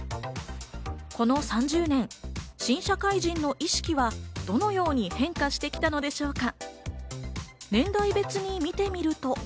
この３０年、新社会人の意識は、どのように変化してきたのでしょうか？